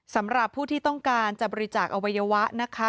สำหรับผู้ที่ต้องการจะบริจาคอวัยวะนะคะ